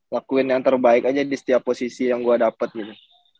lakuin yang terbaik aja di setiap posisi yang gue dapet gitu